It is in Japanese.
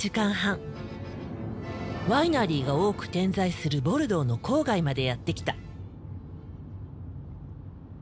ワイナリーが多く点在するボルドーの郊外までやって来た。